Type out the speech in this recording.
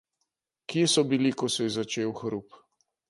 Kje so bili, ko se je začel hrup?